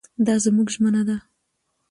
دا زموږ ژمنه ده.